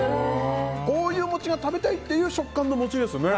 こういう餅を食べたいっていう食感の餅ですね。